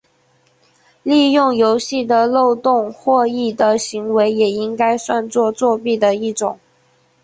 利用游戏的漏洞获益的行为也应该算作作弊的一种。